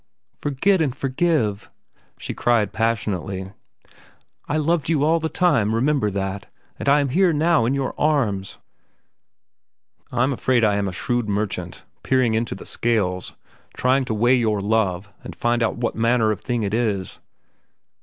"Forget and forgive," she cried passionately. "I loved you all the time, remember that, and I am here, now, in your arms." "I'm afraid I am a shrewd merchant, peering into the scales, trying to weigh your love and find out what manner of thing it is."